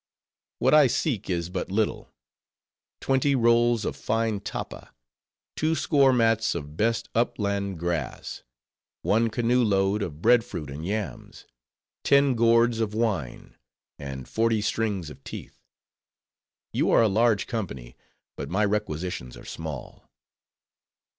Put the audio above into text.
"What I seek is but little:—twenty rolls of fine tappa; two score mats of best upland grass; one canoe load of bread fruit and yams; ten gourds of wine; and forty strings of teeth;—you are a large company, but my requisitions are small."